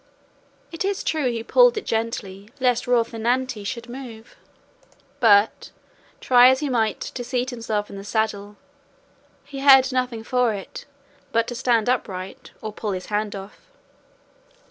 It is true he pulled it gently lest Rocinante should move, but try as he might to seat himself in the saddle, he had nothing for it but to stand upright or pull his hand off.